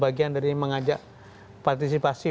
bagian dari mengajak partisipasi